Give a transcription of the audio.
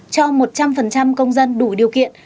cho một trăm linh công dân đủ điều kiện